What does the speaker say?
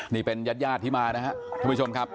นี่เป็นญาติญาติที่มานะครับท่านผู้ชมครับ